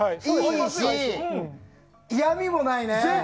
いいし、嫌みもないね。